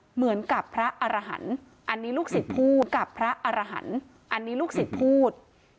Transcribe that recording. เหมือนกับพระอนาหารอันนี้ลูกศิษย์พูด